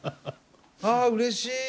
あうれしい！